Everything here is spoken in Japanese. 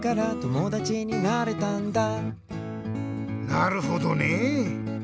なるほどね。